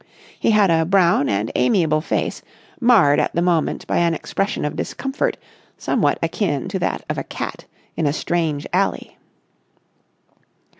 He had a brown and amiable face, marred at the moment by an expression of discomfort somewhat akin to that of a cat in a strange alley.